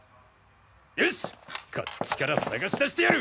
よしこっちから捜し出してやる！